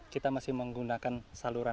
kita masih menggunakan saluran